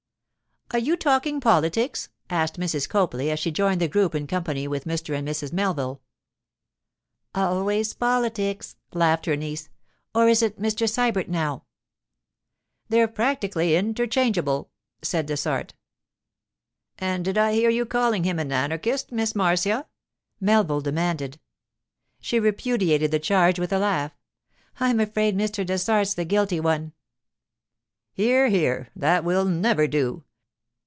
'Are you talking politics?' asked Mrs. Copley as she joined the group in company with Mr. and Mrs. Melville. 'Always politics,' laughed her niece—'or is it Mr. Sybert now?' 'They're practically interchangeable,' said Dessart. 'And did I hear you calling him an anarchist, Miss Marcia?' Melville demanded. She repudiated the charge with a laugh. 'I'm afraid Mr. Dessart's the guilty one.' 'Here, here! that will never do!